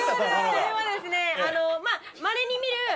これはですね。